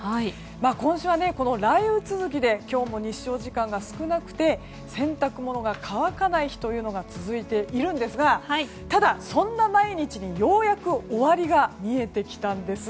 今週はこの雷雨続きで今日も日照時間が少なくて、洗濯物が乾かない日というのが続いているんですがただ、そんな毎日にようやく終わりが見えてきました。